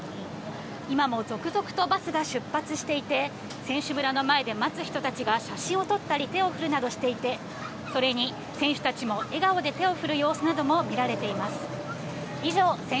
今も続々とバスが出発していて、選手村の前で待つ人たちが、写真を撮ったり、手を振るなどしていて、それに選手たちも笑顔で手を振る様子などが見られています。